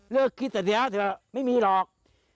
เริ่มคิดต่อเนี่ยไม่มีหรอก